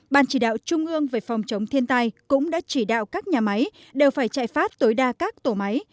ban chỉ đạo trung ương về phòng chống thiên tai cũng đã chỉ đạo các nhà máy đều phải chạy phát tối đa các tổ máy